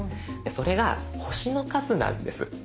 それが星の数なんです。